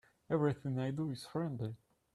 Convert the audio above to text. Everything I do is friendly.